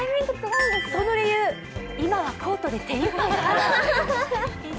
その理由、今はコートで手いっぱいだから。